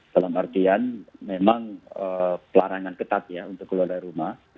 dalam artian memang pelarangan ketat ya untuk keluar dari rumah